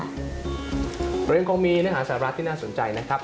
เรายังคงมีเนื้อหาสาระที่น่าสนใจนะครับ